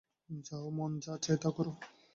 যাও, মন যা চায় তা কর।